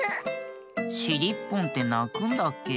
しりっぽんってなくんだっけ？